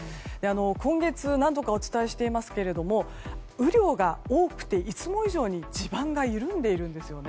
今月、何度かお伝えしていますが雨量が多くて、いつも以上に地盤が緩んでいるんですね。